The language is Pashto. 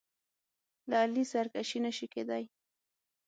له علي سرکشي نه شي کېدای.